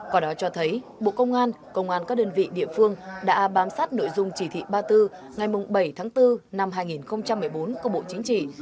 quả đó cho thấy bộ công an công an các đơn vị địa phương đã bám sát nội dung chỉ thị ba mươi bốn ngày bảy tháng bốn năm hai nghìn một mươi bốn của bộ chính trị